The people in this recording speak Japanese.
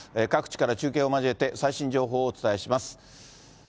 各地から中継を交えて、最新情報をお伝えします。